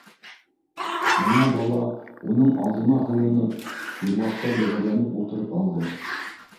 Бына бала уның алдына һыйынып йомғаҡтай бөгәрләнеп ултырып алды.